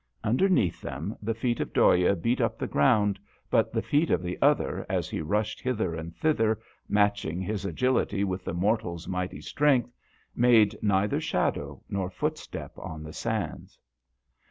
Underneath them the feet of Dhoya beat up the ground, but the feet of the other as he rushed hither and thither, matching his agility with the mortal's mighty strength, made neither shadow nor footstep on the sands.